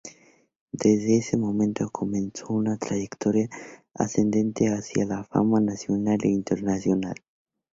Desde ese momento, comenzó una trayectoria ascendente hacia la fama nacional e internacional.